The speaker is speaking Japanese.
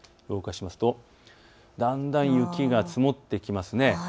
動かしますとだんだん雪が積もってきますね。